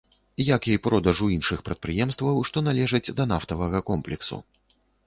Як і продажу іншых прадпрыемстваў, што належаць да нафтавага комплексу.